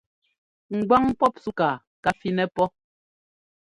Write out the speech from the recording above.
Ŋgwáŋ pɔp súkaa ká fínɛ́ pɔ́.